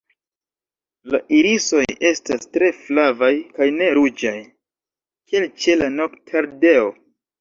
La irisoj estas tre flavaj kaj ne ruĝaj, kiel ĉe la Noktardeo.